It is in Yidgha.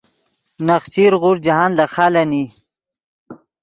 نخچیر غوݰ جاہند لے خالن ای